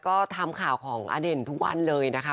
ก็ทำข่าวของอเด่นทุกวันเลยนะคะ